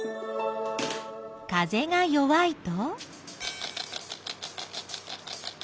風が弱いと？